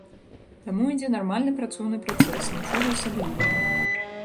Таму ідзе нармальны працоўны працэс, нічога асаблівага.